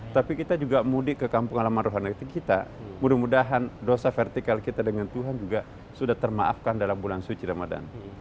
tapi kita juga mudik ke kampung halaman rohani kita mudah mudahan dosa vertikal kita dengan tuhan juga sudah termaafkan dalam bulan suci ramadan